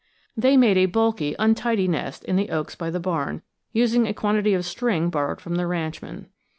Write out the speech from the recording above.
They made a bulky untidy nest in the oaks by the barn, using a quantity of string borrowed from the ranchman.